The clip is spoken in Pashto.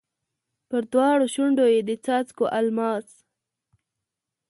پر دواړو شونډو یې د څاڅکو الماس